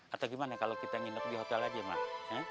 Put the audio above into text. atau gimana kalo kita nginep di hotel aja mak